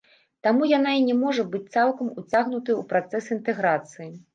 Таму яна і не можа быць цалкам уцягнутая ў працэс інтэграцыі.